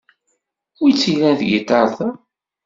Wi-tt-ilan tgitart-a?